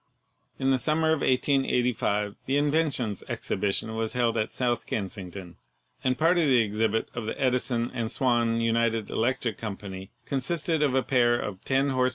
In the summer of 1885 tne Inventions Exhibi tion was held at South Kensington, and part of the exhibit of the Edison and Swan United Electric Company con sisted of a pair of 10 hp.